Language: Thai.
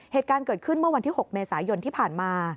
เหตุการณ์เกิดขึ้นเมื่อวันที่๖เมษายนที่ผ่านมา